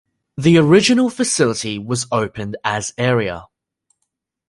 The original facility was opened as area.